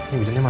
ibu tenang ya